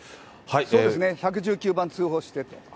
そうですね、１１９番通報して。